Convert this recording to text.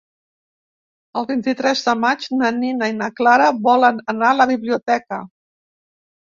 El vint-i-tres de maig na Nina i na Clara volen anar a la biblioteca.